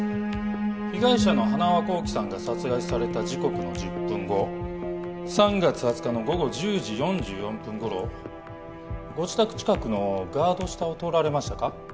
被害者の塙幸喜さんが殺害された時刻の１０分後３月２０日の午後１０時４４分頃ご自宅近くのガード下を通られましたか？